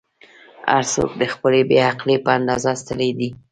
"هر څوک د خپلې بې عقلۍ په اندازه ستړی دی.